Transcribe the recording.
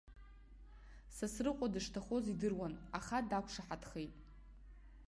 Сасрыҟәа дышҭахоз идыруан, аха дақәшаҳаҭхеит.